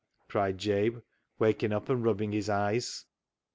" cried Jabe, waking up and rubbing his eyes.